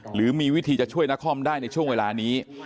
หรือมีวิธีจะช่วยนครได้ในช่วงเวลานี้